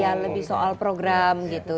ya lebih soal program gitu